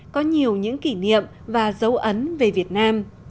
có nhiều những kỷ niệm và dấu ấn về việt nam